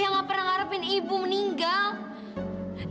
yang gak pernah ngarepin ibu meninggal